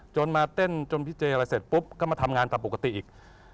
มาเต้นจนพี่เจอะไรเสร็จปุ๊บก็มาทำงานตามปกติอีก